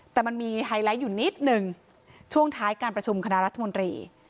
แต่มันมีไฮไลท์อยู่นิดนึงช่วงท้ายการประชุมคณะรัฐมนตรี